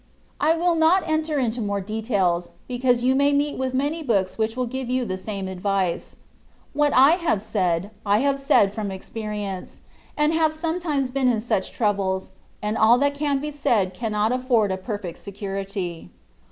I will not enter into more details, because you may meet with many books which will give you the same advice : what I have said, I have said from experience, and have sometimes been in such troubles, and all that can be said cannot afford a perfect security.